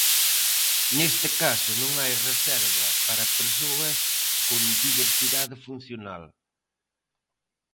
Neste caso non hai reserva para persoas con diversidade funcional.